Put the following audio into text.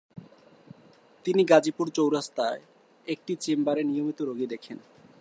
তিনি গাজীপুর চৌরাস্তায় একটি চেম্বারে নিয়মিত রোগী দেখেন।